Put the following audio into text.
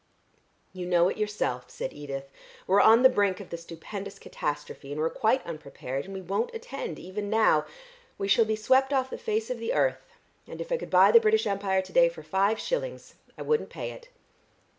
"You know it yourself," said Edith. "We're on the brink of the stupendous catastrophe, and we're quite unprepared, and we won't attend even now. We shall be swept off the face of the earth, and if I could buy the British Empire to day for five shillings I wouldn't pay it."